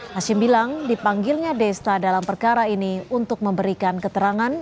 hashim bilang dipanggilnya desta dalam perkara ini untuk memberikan keterangan